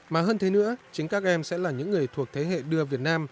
mà hơn thế nữa chính các em sẽ là những người thuộc thế hệ đưa việt nam